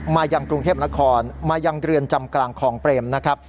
มายังกรุงเทพนครมายังเรือนจำกลางคลองเปรมนะครับ